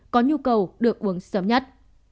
có nhu cầu được uống